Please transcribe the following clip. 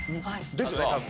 ですよね多分。